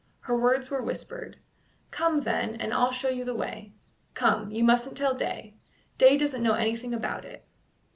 Her words were whispered: "Come, then, and I'll show you the way. Come; you mustn't tell Day. Day doesn't know anything about it."